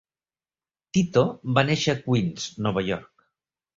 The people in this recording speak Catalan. Tito va néixer a Queens, Nova York.